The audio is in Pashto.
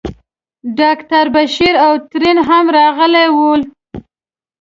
ډاکټر بشیر او ترین هم راغلي ول.